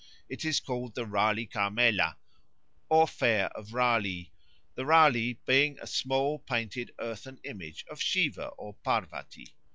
It is called the Ralî Ka melâ, or fair of Ralî, the Ralî being a small painted earthen image of Siva or Pârvatî.